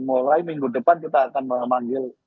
mulai minggu depan kita akan memanggil